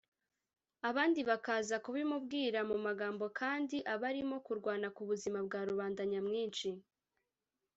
abandi bakaza kubimubwira mu magambo kandi aba arimo kurwana ku buzima bwa rubanda nyamwinshi